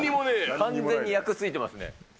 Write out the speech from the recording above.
完全に厄ついてますね。